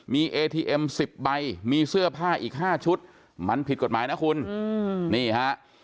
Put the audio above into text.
มีเอทีเอ็ม๑๐ใบมีเสื้อผ้าอีก๕ชุดมันผิดกฎหมายนะคุณนี่ฮะ